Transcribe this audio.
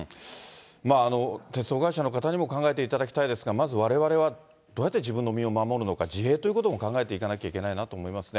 まあ、鉄道会社の方にも考えていただきたいですが、まずわれわれはどうやって自分の身を守るのか、自衛ということも考えていかなきゃいけないなと思いますね。